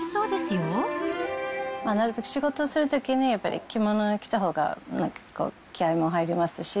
仕事するときに、やっぱり着物を着たほうが気合いも入りますし。